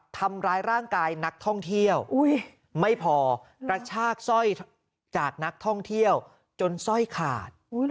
ทำร้ายร่างกายนักท่องเที่ยวไม่พอกระชากสร้อยจากนักท่องเที่ยวจนสร้อยขาด